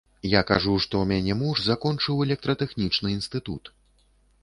Я кажу, што ў мяне муж закончыў электратэхнічны інстытут.